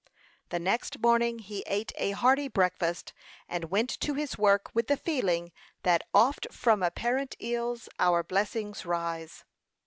The next morning he ate a hearty breakfast, and went to his work with the feeling that "oft from apparent ills our blessings rise."